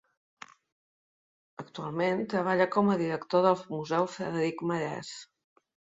Actualment treballa com a director del Museu Frederic Marès.